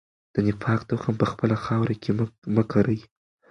د نفاق تخم په خپله خاوره کې مه کرئ.